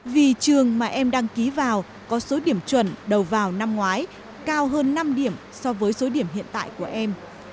vì trường mà em đăng ký vào có số điểm chuẩn đầu vào năm ngoái cao hơn năm điểm so với số điểm hiện tại của em